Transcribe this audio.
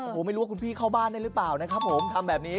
โอ้โหไม่รู้ว่าคุณพี่เข้าบ้านได้หรือเปล่านะครับผมทำแบบนี้